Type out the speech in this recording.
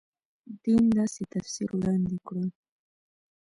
دین داسې تفسیر وړاندې کړو.